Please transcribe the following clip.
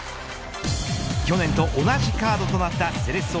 去年と同じカードとなったセレッソ